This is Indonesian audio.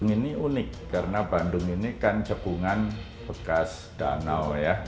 ini unik karena bandung ini kan cekungan bekas danau ya